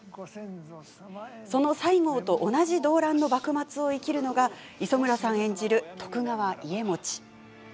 その西郷と同じ動乱の幕末を生きるのが磯村さん演じる徳川家茂。